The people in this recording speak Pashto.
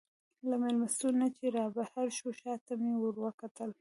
له مېلمستون نه چې رابهر شوو، شا ته مې وروکتل.